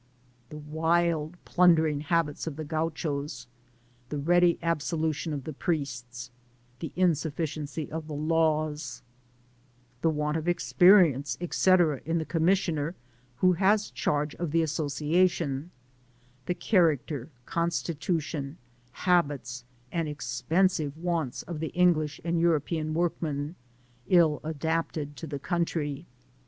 The wild, plundering habits of the Gauchos — ^the ready absolution of the priests — the insufficiency of the laws. The want of experience, &c. in the Commis Digitized byGoogk 280 GENERAL OBSERVATIONS ON sioner who has charge of the Association.— The character, constitution, habits, and expensive wants of the English and European workmen, ill adapted to the country.